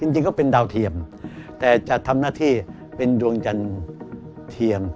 จริงก็เป็นดาวเทียมแต่จะทำหน้าที่เป็นดวงจันทร์เทียม